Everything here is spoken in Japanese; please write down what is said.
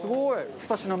２品目。